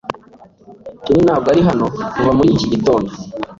Ken ntabwo ari hano kuva muri iki gitondo.